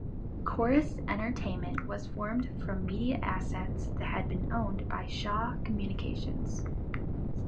Corus Entertainment was formed from media assets that had been owned by Shaw Communications.